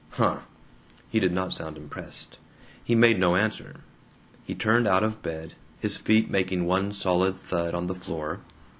"Huh!" He did not sound impressed. He made no answer. He turned out of bed, his feet making one solid thud on the floor.